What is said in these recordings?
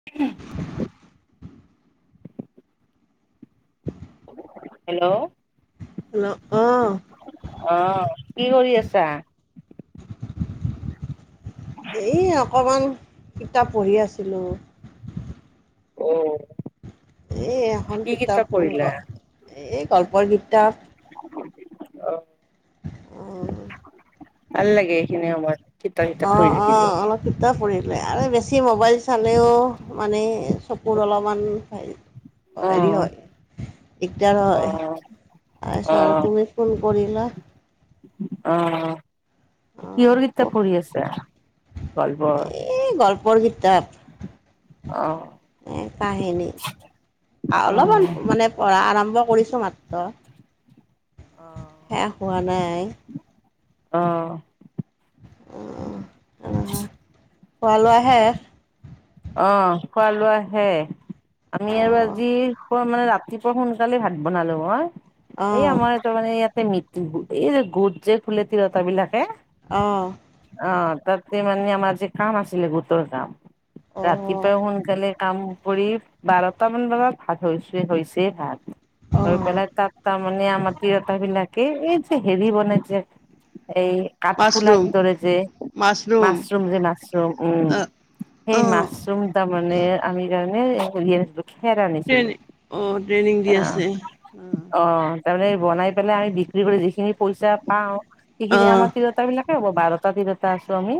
[inaudible] Hello. Hello, অ'। অ', কি কৰি আছা। এই অকণমান কিতাপ পঢ়ি আছিলোঁ। ঔ। এই এখন কিতাপ মানে গ, এই গল্পৰ কিতাপ। [inaudible] অ',। উম। ভাল লাগে এইখিনি সময়ত। কিতাপ কিতাপ পঢ়ি অ', থাকিলে অ', অলপ কিতাপ পঢ়িলে আৰু বেছি মোবাইল চালেও মানে চক কুৰ অলপমান হেই অ', হেৰি হয়, দিগদাৰ অ হয়। অ তাৰপিছত তুমি ফোন কৰিলা। অ', অঁ কিহৰ কিতাপ পঢ়ি আছা? গল্পৰ। এ, গল্পৰ কিতাপ। অ এ, কাহেনী আৰু অ অলপমান মানে পঢ়া আৰম্ভ কৰিছোঁ মাত্ৰ, শেষ হোৱা নাই। অ',। [unintelligible] খোৱা-লোৱা শেষ। অ', খোৱা-লোৱা শেষ। আমি আৰু অ', আজি খোৱা মানে ৰাত ৰাতিপুৱা সোনকালে ভাত বনালো মই, এই অ', আমাৰ টো মানে ইয়াতে মিত [unintelligible] এই যে গোট যে খোলে তিৰোতা বিলাকে। অ',। অ তাতে মানে আমাৰ যে কাম আছিলে গোটৰ কাম, অ', ৰাতিপুৱাই সোনকালে কাম কৰি বাৰটামান বজাত ভাত হৈছে, হৈছে ভাত হৈ অ'। পেলাই তাত তাৰমানে আমাৰ তিৰতা বিলাকে এই যে হেৰি বনাই যে এই কাঠফুলা মাছৰুম, ধৰে যে, মাছৰুম যে মাছৰুম উম অ', সেই অ', মাছৰুম তাৰ মানে আমি কাৰণে হেৰি [unintelligible] খেৰ আনিছিলো ট্ৰেইনি অ', ট্ৰেইনিং দি আহ, আছে অ তাৰমানে বনাই পেলাই আমি বিক্ৰী কৰি যিখিনি পইচা পাওঁ, অ', সেইখিনি আমাৰ অ', তিৰ বিলাকে হ'ব বাৰটা তিৰতা আছো আমি,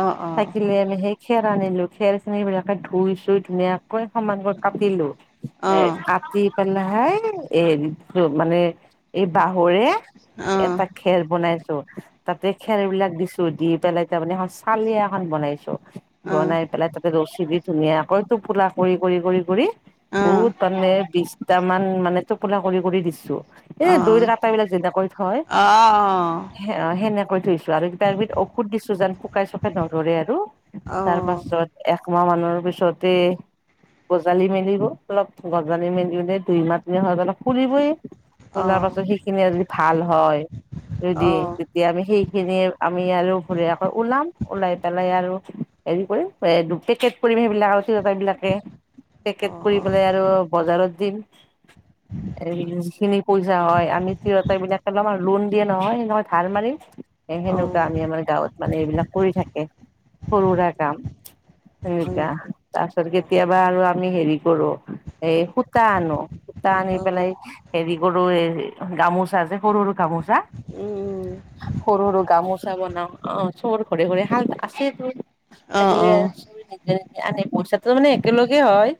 অ', অ', থাকিলে আমি সেই খেৰ আনিলো খেৰ খিনি এইবিলাকে ধুই-চুই ধুনীয়াকৈ সমানকৈ কাটিলো। এ অ', কাট টি পেলাই এ হেৰি মানে এই বাঁহৰে অ', অ', এটা ঘেৰ বনাইছোঁ। তাতে খেৰ বিলাক দিছো, দি পেলাই তাৰমানে এখন চালিয় এখন বনাইছো, অ', অ', বনাই পেলাই তাতে ৰছী দি ধুনীয়াকৈ টোপোলা কৰি-কৰি-কৰি-কৰি অ', অ', অ', অ', অ', বহুত মানে বি তা মান মানে টোপোলা কৰি কৰি দিছোঁ। অ', অ', অ', এই দৈ অ', কাটা বিলাক যেনেকৈ থয় সেন-সেনেকৈ থৈছো আৰু কিবা কিবি ঔষধ দিছো যেন পুকাই-চুকাই নধৰে আৰু। তাৰ পাছত একমাহ মানুহৰ পিছতে গজালি মেলিব, অলপ গজালি মেলিলে দুই-মাহ তিনি মাহ হৈ গলে ফুলিবই। ফুলাৰ পাছত সেইখিনি যদি ভাল হয় যদি উম, তেতিয়া আমি সেইখিনিয়ে আমি আৰু ভৰিয়াকৈ ওলাম, ওলাই পেলাই আৰু হেৰি কৰিম। দু পেকেট পৰিম সেইবিলাক আৰু তিৰোতা বিলাকে। অ', পেকেট কৰি অ', পেলাই আৰু বজাৰত দিম। এই যিখিনি পইচা হয়, আমি তিৰোতাবিলাকে লম আৰু লোন দিয়ে নহয়, সেনে ধাঢ় মাৰিম এ সেনেকুৱা আমি আমাৰ গাঁৱত মানে এইবিলাক কৰি থাকে, সৰু সৰুৰা কাম। সেনেকা, তাৰ পিছত কেতিয়াবা আৰু আমি হেৰি কৰো এই সূতা আনো টা আনি পেলাই হেৰি কৰো এ গামোচা যে সৰু সৰু গামোচা চা, সৰু সৰু গামোচা চা বনাও, অ চৰ ঘৰে ঘৰে শাল আছে ত। থাকিলে চবে নিজে নি আনে। পইচাটো মানে একেলগে হয়।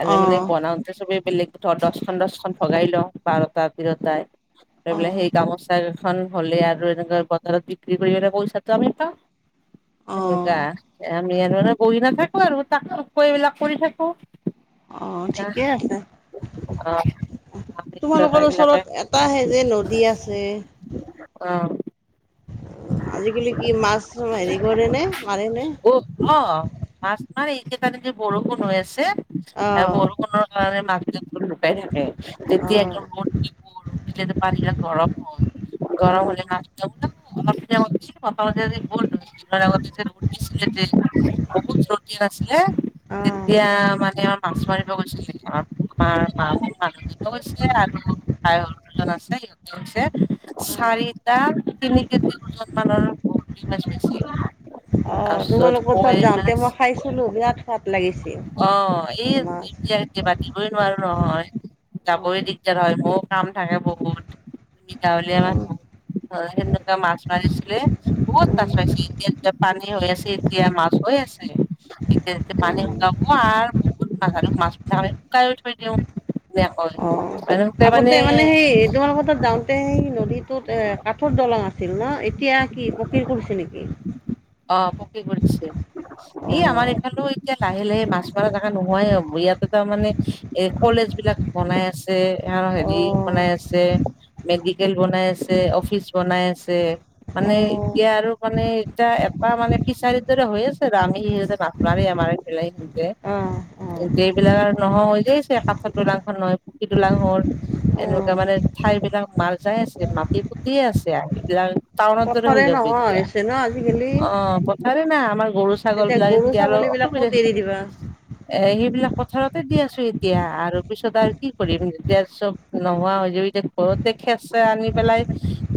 আৰু মানে বনাওঁতে চবেই বেলেগ ধ দচখন দহখন ভগাই লওঁ, বাৰটা তিৰোতাই অ', এইবিলে সেই অ', গামোচা এখন হ'লে আৰু এনেকা বজাৰত বক্ৰী কৰি আৰু পইচাটো আমি পাওঁ। হেনেকা। অ', আমি আৰু এনে বহি নাথাকো আৰু তাক টোক কৈ এইবিলাক কৰি থাকো। অ', দিয়া ঠিকে আছে অ মিতিৰতা তোমালোকৰ বিলাকে ওচৰত এটা সেই যে নদী আছে অ। আজিকালি কি মাছ হেৰি কৰে নে মাৰে নে? অ মাছ মাৰে এতিয়া তাতে বৰষুণ হৈ আছে, আহ বৰষুণৰ মাছবোৰ লুকাই থাকে। তেতিয়া আহ একদম [unintelligible] [unintelligible] গৰম হ'ল গৰম হ'লে [unintelligible] [unintelligible] [unintelligible] বহুত ৰ'দ দি আছিলে আহ আহ তেতিয়া মানে [unintelligible] মাছ মাৰিব গৈছিল [unintelligible] গৈছিলে আৰু আৰু দুজন আছিল ধৰছে আহ চাৰিটা তিনি কেজি ওজন মানৰ বৰালি মাছ পাইছে। অঁ তোমালোকৰ তাত যাওঁতে মই খাইছিলোঁ বিৰাট সোৱাদ লাগিছিল অ এই মাছ বিৰাট বিৰাট। দিবই নোৱাৰো নহয় অ যাবই দিগদাৰ হয় বৰ কাম থাকে বহুত। আমি গাঁৱলীয়া মানুহ। অ সেনেকুৱা মাছ মাৰিছিলে বহুত মাছ পাইছে এতিয়া পানী হৈ আছে এতিয়া মাছ হৈ আছে। সেয়ে এতিয়া এয়া পানী আৰু বহুত মা মাছ পাক আমি শুকাই থৈ দিওঁ এনেকৈ। অ আগতে মানে সেই তোমালোকৰ তাত যাওঁ। তে নদীটোত এ কাঠৰ দলং আছিল ন এতিয়া কি পকীৰ কৰিছে নেকি? অ পকী কৰিছে। অ এই আমাৰ এইফালে এতিয়া লাহে লাহে মাছ মৰা জেগা নোহাই হ'ব ইয়াতে তাৰ মানে এই কলেজ বিলাক বনাই আছে আৰু অ হেৰি বনাই আছে। মেডিকেল বনাই আছে অফিচ বনাই আছে। অ মানে এতিয়া আৰু মানে এতিয়া এটা মানে ফিচাৰীৰ দৰে হৈ আছে আৰু আমি এই যে মাছ মাৰিহে মাৰিম বিলাহীটো দে। অ তেন্তে এইবিলাক আৰু নহয় হৈ যায়ছে কাঠৰ দলংখন নহয় পকি দলং হ'ল। অ এনেকুৱা অ মানে ঠাই বিলাক মাল যাই আছে মাটি পুতিয়ে আছে আৰ এইবিলাক টাউনদৰে পথৰে হৈ যাব নোহোৱা এতিয়া, হৈছে ন আজিকালি অ পথাৰে নাই আমাৰ। গৰু-ছাগল বিলাক গৰু এতিয়া আৰু ছাগলী বিলাক ক'ত অসুবিধা হৈছে। এৰি দিবা এ সেইবিলাক পথাৰতে দি আছো এতিয়া আৰু পিছত আৰু কি কৰিম যেতিয়া চব নোহোৱা হৈ যাব এতিয়া ঘৰতে খেৰ-চেৰ আনি পেলাই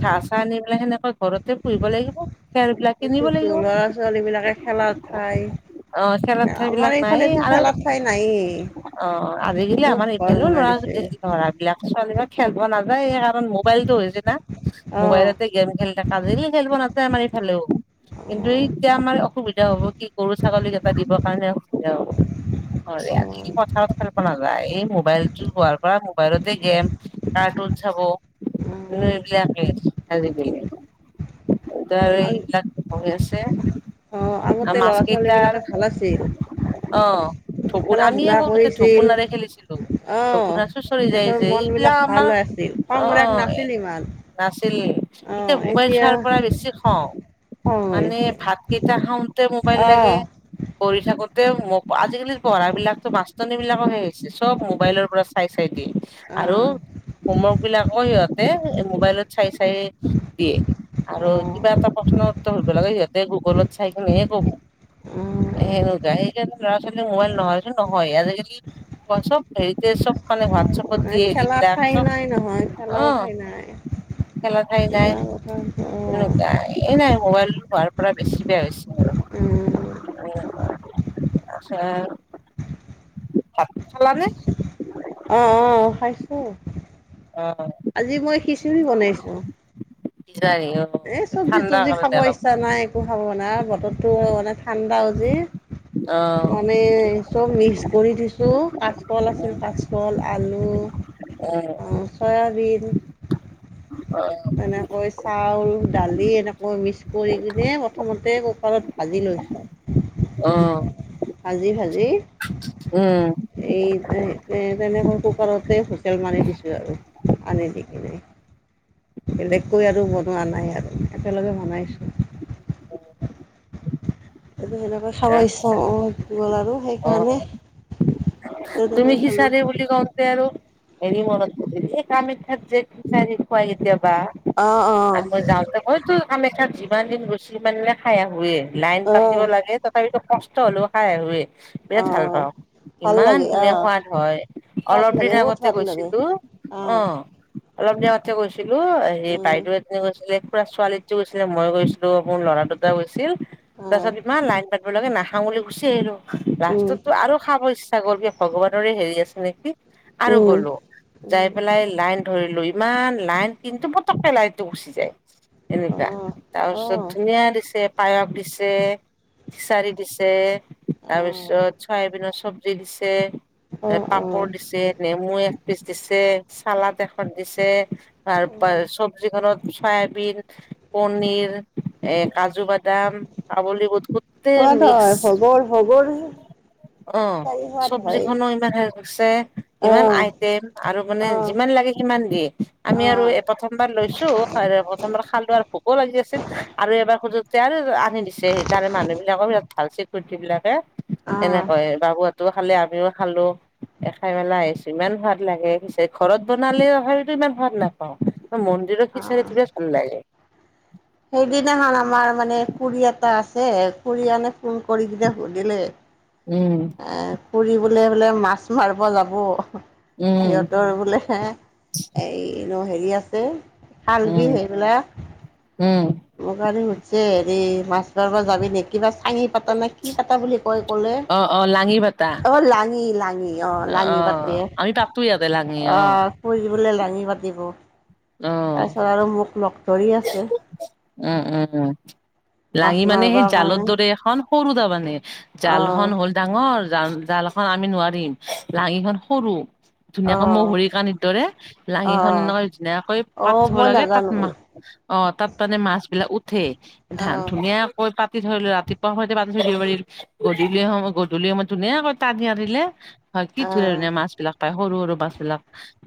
ঘাঁহ-চাহ আনি পেলাই সেনেকুৱা ঘৰতে পুহিব লাগিব খেৰ বিলাক কিনিব সেইটোৱেটো লাগিব ল'ৰা-ছোৱালী বিলাকে খেলাৰ অ খেৰৰ ঠাই। ঠাই বিলাক আমাৰ নাই এইফালেতো আৰু খেলাত ঠাই নাইয়ে। অ অ, আজিকালি আমাৰ এতিয়ালেও ল'ৰা যুটে লৰাবিলাক ছোৱালীবিলাক খেলব নাযায় সেইকাৰণ মোবাইলটো হৈছে না অ মোবাইলতে গেম খেলি থাকে। কাজিল খেলিব নাযায় আমাৰ এইফালেও। অ কিন্তু এতিয়া আমাৰ অসুবিধা হ'ব কি গৰু-ছাগলীকেইটা দিবৰ কাৰণে অসুবিধা হ'ব। হয় অ আজি পথাৰত খেলব নাযায় এই মোবাইলটো হোৱাৰ পৰা মোবাইলতে গেম ঢি ঢি ঢু ঢু, কাৰ্টুন চাব মানে এইবিলাকে আজিকালি। ধৰা অ এইবিলাক হৈ আছে অ আৰু আগতে মাছ ল'ৰা ছোৱালী কেইটাৰ বিলাকে ভাল আছিল অ, ঢকুৰ খেলা আমিয়ে ধূলা সৰুতে কৰিছিল ঢকুনাৰে খেলিছিলো। আহ ঢকুনা চুচৰি যায় সিহঁতৰ যে মন বিলাক এইবিলাক ভাল আমাৰ হৈ আছিল খং অ অ ৰাগ এ নাছিল ইমান নাছিলে এতিয়া কেচুৱাৰ পৰা বেছি খাওঁ খং মানে হৈছে ভাত কেইটা খাওঁতে মোবাইল লাগে। অ কৰি থাকোতে মোব আজিকালিৰ পঢ়া বিলাকতো মাষ্টৰনী বিলাকৰহে হৈছে চব মোবাইলৰ পৰা চাই। চাই চাই দিয়ে। আৰু হোমৱৰ্ক বিলাকো সিহঁতে মোবাইলত চাই চাই দিয়ে। আৰু অ কিবা এটা প্ৰশ্ন উত্তৰ শুধব লাগে সিহঁতে গুগলত চাই কিনেহে কব। এ অ অ এ গায়কে ল'ৰা-ছোৱালী মোবাইল নহয়ো নহয়েই আজিকালি কচম তেৰি কচম। মানে হোৱাটচএপত নাই দিয়ে খেলা হেগিতা ঠাই চব নাই নহয় অ। খেলাও ঠাই নাই খেলা ঠাই নাই বেয়া কথা অঁ এনেকুৱাই। এ নাই মোবাইলটো হোৱাৰ পৰা বেছি বেয়া হৈছে আৰু। উম অঁ অঁ আছে, ভাত খালা নে? অঁ অঁ খাইছোঁ। অঁ অঁ আজি মই খিচিৰি বনাইছোঁ পিছে আহিলো। এই চব্জি তব্জি খাব ইচ্ছা নাই একো খাব না, বতৰটো মানে ঠাণ্ডাওজে। অঁ'। মানে চব মিক্স কৰি দিছোঁ, কাচকল আছিল কাচকল, আলু। অঁ'। উম' চয়াবিন। অঁ'। এনেকৈ চাউল দালি এনেকৈ মিক্স কৰি কিনে প্ৰথমতে কুকাৰত ভাজি লৈছো। অঁ'। ভাজি ভাজি- উম'। এই তে তেনেকৈ কুকাৰতে হুইচেল মাৰি দিছোঁ আৰু পানি দি কিনে। বেলেগকৈ আৰু বনোৱা নাই আৰু একেলগে বনাইছো। আজি সেনেকৈ খাব ইচ্ছা গ'ল আৰু, অ সেইকাৰণে- তুমি তেনেকৈ কি খালোঁ চাবি বুলি কওঁ- দে আৰু এনেই মনত পৰিল, এই কাম এটাত জেদ বিচাৰি খোৱাই কেতিয়াবা। অঁ অঁ আকৌ যাওঁতে কৈছো, কাম এটা যিমান দিন গৈছো সিমান দিনে খাই আহোঁয়ে। লাইন পাতিব অঁ লাগে, তথাপিতো কষ্ট হলেও খাই আহোয়ে বিৰাট অঁ ভালপাওঁ। ভাল ইমান লাগে ধুনীয়া অঁ সোৱাদ হয়, সোৱাদ অলপ লাগে দিন বহুত আগতে সোৱাদ লাগে গৈছিলো অঁ অঁহ। অলপ দিনতে গৈছিলো সেই উম বাইদেউ এজনী গৈছিলে, পুৰা ছোৱালী- টো গৈছিলে মই গৈছিলো মোৰ ল'ৰা দুটা গৈছিল, অঁ তাৰপিছত ইমান লাইন পাত- ফতকে নাখাওঁ বুলি গুচি আহিলো, উম লাষ্টতো আৰু খাবছ- তাই গ'ল গে ভগৱানৰে হেৰি আছে নেকি? আৰু উম গ'লো, যাই উম পেলাই লাইন- ধৰিলো, ইমান লাইন কিন্তু পতককে লাইনটো গুচি যায় এনেকুৱা। অঁ তাপিছত অঁ ধুনীয়া দিছে পায়খ দিছে ফিচাৰি দিছে। অঁ তাৰপিছত চয়াবিনৰ চব্জি দিছে, তাত অঁ অঁ পাপৰ দিছে। নেমু এক পিচ দিছে চালাদ এখন দিছে তাৰ পৰা চব- জীখনত চায়াবিন- পনিৰ এঁ কাজু বাদাম, কাবলী বুট- গোটেই সোৱাদ হয়, মিক্স সবৰ সবৰ হেৰি সোৱাদ হয়। সমই ইমান হৈ গৈছে। ইমান অ', আইটেম আৰু মানে অ', যিমান লাগে সিমান দিয়ে, আমি আৰু অ', এ প্ৰথমবাৰ লৈছোঁ- আৰে প্ৰথম বাৰৰ খালো আৰু ভোকো লাগি আছিল, আৰু এবাৰ খোজো- শ্বেয়াৰো আনি দিছে সেই তাৰে মানুহ বিলাকৰ বিৰাট ভাল স্বীকৰটি বিলাকে, অ', এনেকৈ বাবু হঁত- খালে, আমিও খালো। এ খাই মেলা আহিছো ইমান সোৱাদ লাগে পিছে ঘৰত বনালেও তথাপিতো ইমান সোৱাদ না- পাওঁ, অ' মন্দিৰৰ অ'। ফিচাৰিটোৰে ভাল লাগে। সেইদিনাখন আমাৰ মানে খুৰী এটা আছে খুৰী মানে ফোন কৰি কিনে সুধিলে, - উম'। এঁ খুৰি বোলে বোলে মাছ মাৰিব যাব। উম, সিহঁতৰ বোলে এই নো হেৰি আছে- উম, খালবি সেইবিলাক। উম'। মোৰ আৰু হুডছে হেৰি মাছ ধৰবা যাবি নি কিবা চাঙিত পাতা না কি পাতা বুলি কয় কলে, অ', অ', লাঙি পাতা অ লাঙি লাঙি অ লাঙি অ', পাতি আমি তাতো ইয়াতে লাঙি অ। কোচবোলে লাঙি পাতিব, অ', তাৰপিছত আৰু মোক লগ ধৰি আছে। উম উম মাছ লাঙি মানে মাৰিব সেই জালৰ কাৰণে দৰে এখন সৰু দা মানে জালখন অ', হ'ল ডাঙৰ জাল জালখন আমি নোৱাৰিম লাঙিখন সৰু। ধুনীয়াকৈ মৌ অ', ভৰিকান ইদৰে লাঙিখন অ', এনেকৈ ধুনীয়াকৈ পাত অ', থ'ব মই লাগে নাজানো তাত মাহ অ তাত মানে মাছ বিলাক উঠে ধান অ', ধুনীয়াকৈ পাত কি ধৰিলো ৰাতিপুৱা সৈতে পাতি থৈদিব পাৰি, গধূলি সময় গধূলি সময়ত ধুনীয়াকৈ টানি আনিলে হয় কি ধুনীয়া অ', ধুনীয়া মাছ বিলাক পায় সৰু সৰু মাছ বিলাক।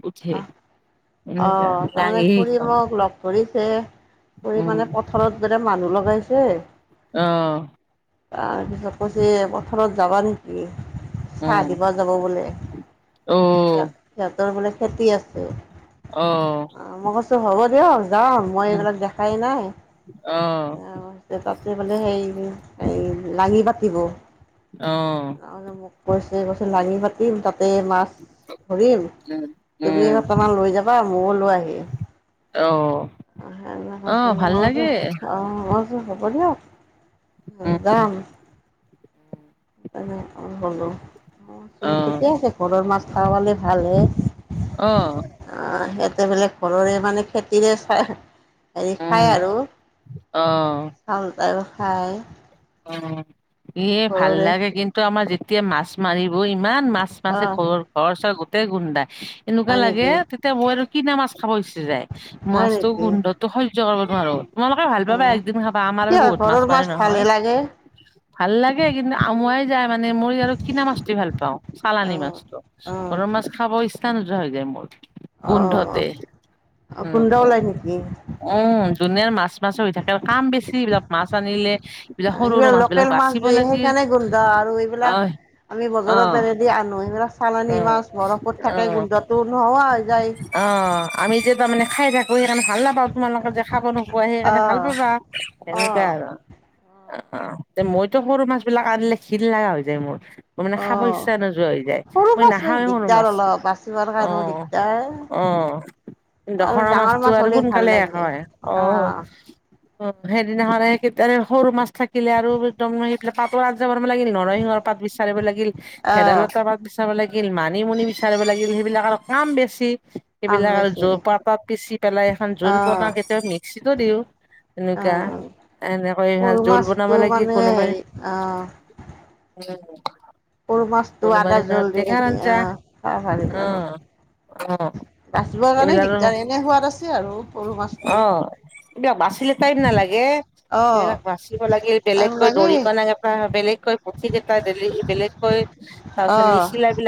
উঠে। আহ অ এনেকুৱা তাৰমানে লাঙি ফুৰি সেইখন মোক লগ ধৰিছে কৰি উম, মানে পথাৰত যেনে মানুহ লগাইছে অ তাৰপিছত কৈছে পথাৰত যাবা নি? কি চাহ উম। দিব যাব বোলে। তাত অ', সিহঁতৰ বোলে খেতি আছে। অঁহ। অ মই কৈছোঁ হ'ব দিয়ক যাওঁ মই এইবিলাক দেখাই নাই, অ', আঁ এ তাতে মানে সেই এই লাঙি পাতিব। অহ তাৰমানে মোক কৈছে কৈছে লাঙি পাতিম তাতে মাছ ধৰিম উম, তুমিও উম, অকমান লৈ যাবা মোল টো আহি অ', আহে নাহে অ', ভাল মই লাগে বোলো [unintelligible] উম হ'ব দিয়ক উম, যাম। [unintelligible] অহ হব, অহ অ', কেতিয়াকে পদৰ মাছ খাব পালে ভাল হে। অ অ সিহঁতে বোলে ঘৰৰে মানে খেতিৰে খাই। হেৰি খায় আৰু হাল বাইয়ো খায়। অ ইয়ে ভাল ঘৰৰে লাগে কিন্তু আমাৰ যেতিয়া মাছ মাৰি ব ইমান মাছ মাছে অঁ ঘৰ ঘৰচৰ গোটেই গোন্ধা, এনেকুৱা হয় লাগে নেকি তে মোৰ আৰু কিনা মাছ খাব ইচ্ছা যায় হয় মাছতো নেকি গোন্ধতো হয্য কৰিব নোৱাৰো, তোমালোকে ভাল পাবা অঁ একদিন খাবা আমাৰ কিয় বহুত মাছ ঘৰৰ মাৰে নহয়। ভালহে লাগে ভাল লাগে কিন্তু আমুৱাই যায় মানে মই আৰু কিনা মাছটোৱে ভাল পাওঁ। চালানি অঁ মাছটো অঁ ঘৰৰ মাছ খাব ইচ্ছা নোযোৱা হৈ যায় মোৰ। অ', গোন্ধতে অ', উ গোন্ধ ওলাই নেকি? উম যোনে মাছ মাছ হৈ থাকে কাম বেছি এইবিলাক মাছ আনিলে এইবিলাক অ সৰু সৰু সিলাক বিলাক লকেল মাছ বাচিব যে লাগিল সেইকাৰণে গোন্ধ আৰু এইবিলাক অহ আমি অহ বজাৰত এনেদি আনো এইবিলাক চালানী উম মাছ বৰফত থাকে অহ। গোন্ধটো নোহোৱা হৈ যায়। অ আমি যে তামানে খাই থাকোঁ হেকানে ভাল না পাও তোমালোকে যে খাব নোপোৱা সেইকাৰণে ভাল অ', পাবা তেনেকা অ', আৰু আ তে মইতো সৰু মাছ বিলাক আনিলে ঘিন লাগা হৈ যায় মোৰ। মোৰ মানে খাব অ', ইচ্ছা নোযোৱা হৈ যায়। সৰু মই মাছ নাখাওঁৱেই সৰু দিগদাৰ মাছ অলপ বাচিবৰ অ কাৰণেও দিগদাৰ অ আৰু দখৰা ডাঙৰ মাছটো মাছ আৰু হ'লে ভাল সোনকালে লাগে। হয় অহ অ', অ সেইদিনাখন কেতিয়াৰে সৰু মাছ থাকিলে আৰু একদম সেইফালে পাপৰ আঞ্জা বনাব লাগে নেকি নৰসিংহৰ পাত বিচাৰিব লাগিল অ', ভেদাইলতা পাত বিচাৰিব লাগিল মানিমুনি বিচাৰিব লাগিল সেইবিলাক আৰু কাম বেছি। আম সেইবিলাক আৰু বেছি য পাপা পিচি পেলাই এখন জোল বনা অ', কেতিয়াবা মিক্সিতো দিওঁ। এনেকুৱা অ', এনেকৈ সৰু জোল বনাব মাছটো লাগে মানে কোনোবাই। হেৰি অ', উম সৰু মাছটো আদা জোল দি খাইছে আঞ্জা অ খাই ভাল লাগে আৰু অ', অ', বাছিবৰ কাৰণে এইবিলাক আৰু দিগদাৰ এনে সোৱাদ আছে আৰু সৰু মাছটো। এতিয়া বাচিলে টাইম নালাগে অ এইবিলাক বাচিব লাগিল টাইম বেলেগকৈ লাগে দৰিকণা কেইটা বেলেগ। কৈ পুথি কেইটা দি বেলেগকৈ তাৰ পিছত অ নিচিলা বিলাক